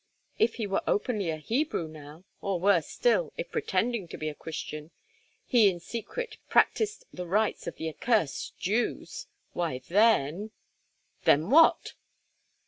If he were openly a Hebrew now, or worse still, if pretending to be a Christian, he in secret practised the rites of the accursed Jews, why then——" "Then what?"